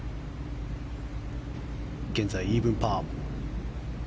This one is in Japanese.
現在イーブンパー。